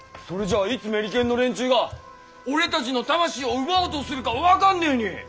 それじゃあいつメリケンの連中が俺たちの魂を奪おうとするか分かんねぇに。